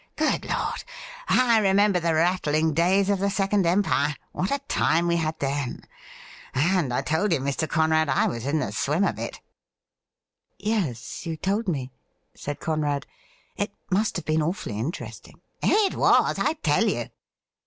Good Lord ! I remember the rattling days of the Second Empire. What a time we had then ! And I told you, Mr. Conrad, I was in the swim of it.' ' Yes, you told me,' said Conrad. ' It must have been awfully interesting.' ' It was, I tell you.'